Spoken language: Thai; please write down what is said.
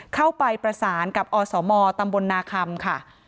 เข้าไปประสานกับอสมตำบลนาคำค่ะ